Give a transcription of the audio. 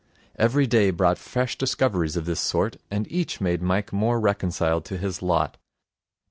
Every day brought fresh discoveries of this sort, and each made Mike more reconciled to his lot.